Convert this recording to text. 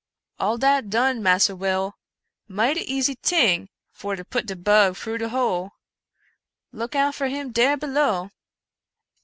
" All dat dene. Massa Wiil ; mightA* easy ting for to put de bug fru de hole — ^look out for him dare below